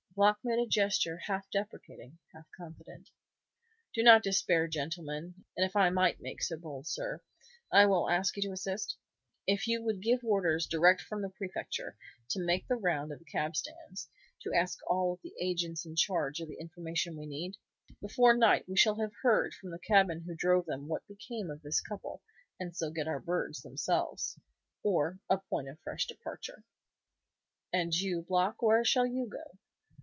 Block made a gesture half deprecating, half confident. "I do not despair, gentlemen; and if I might make so bold, sir, I will ask you to assist? If you would give orders direct from the Prefecture to make the round of the cab stands, to ask of all the agents in charge the information we need? Before night we shall have heard from the cabman who drove them what became of this couple, and so get our birds themselves, or a point of fresh departure." "And you, Block, where shall you go?"